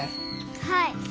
はい。